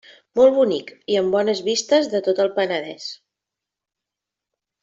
Molt bonic i amb bones vistes de tot el Penedès.